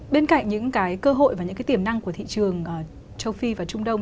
bên cạnh những cái cơ hội và những cái tiềm năng của thị trường châu phi và trung đông